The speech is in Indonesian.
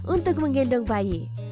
untuk menggendong bayi